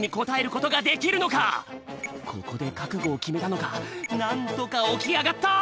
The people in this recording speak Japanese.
ここでかくごをきめたのかなんとかおきあがった！